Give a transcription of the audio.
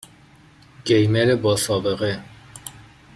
گیمر با سابقه